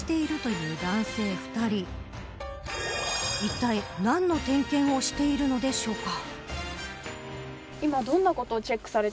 いったい何の点検をしているのでしょうか。